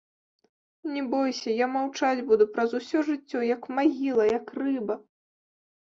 Не бойся, я маўчаць буду праз усё жыццё, як магіла, як рыба!